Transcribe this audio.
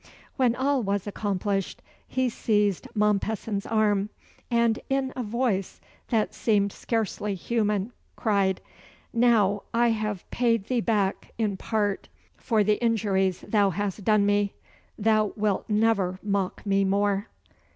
When all was accomplished, he seized Mompesson's arm, and, in a voice that seemed scarcely human, cried, "Now, I have paid thee back in part for the injuries thou hast done me. Thou wilt never mock me more!"